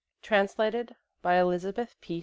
TRANSLATED BY ELISABETH P.